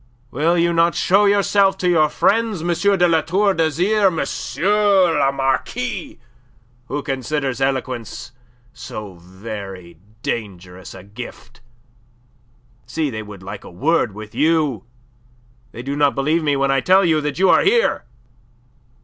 Will you not show yourself to your friends, M. de La Tour d'Azyr, Monsieur le Marquis who considers eloquence so very dangerous a gift? See, they would like a word with you; they do not believe me when I tell them that you are here."